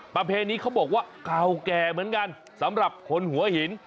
ประเพณีเขาบอกว่าเก่าแก่เหมือนกันสำหรับคนหัวหิน